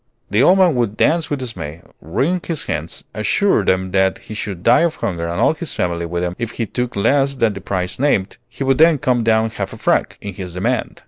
The old man would dance with dismay, wring his hands, assure them that he should die of hunger and all his family with him if he took less than the price named; he would then come down half a franc in his demand.